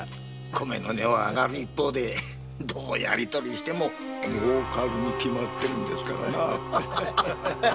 米の値は上がる一方でどうやりとりしても儲かるに決まっているんですからな。